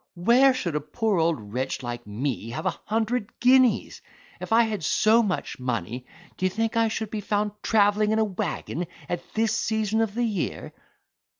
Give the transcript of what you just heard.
Where should a poor old wretch like me have a hundred guineas? If I had so much money, d'ya think I should be found travelling in a waggon, at this season of the year?"